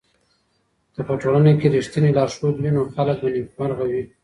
که په ټولنه کي رښتينی لارښود وي نو خلګ به نېکمرغه وي.